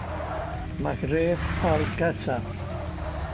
Maghreb Al-Aksa.